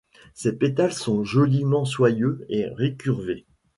Ses pétales sont joliment soyeux et récurvés.